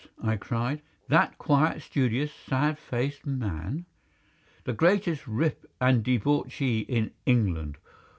I cried, "that quiet, studious, sad faced man?" "The greatest rip and debauchee in England!